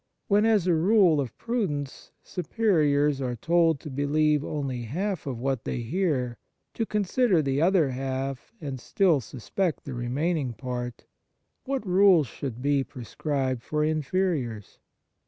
When, as a rule of prudence, Superiors are told to believe only half of what they hear, to consider the other half, and still suspect the remaining part, what rule should be prescribed for inferiors